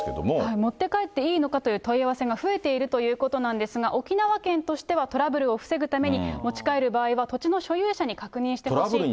持って帰っていいのかという問い合わせが増えているということなんですが、沖縄県としてはトラブルを防ぐために、持ち帰る場合は土地の所有者に確認してほしいと。